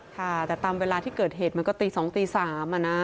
ค่ะแต่ตามเวลาที่เกิดเหตุมันก็ตี๒ตี๓อะนะ